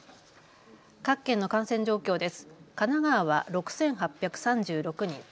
各県の感染状況です。